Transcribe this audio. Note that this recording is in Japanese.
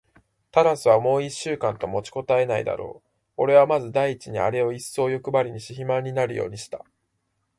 タラスはもう一週間と持ちこたえないだろう。おれはまず第一にあれをいっそうよくばりにし、肥満になるようにした。